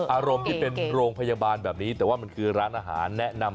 อารมณ์ที่เป็นโรงพยาบาลแบบนี้แต่ว่ามันคือร้านอาหารแนะนำ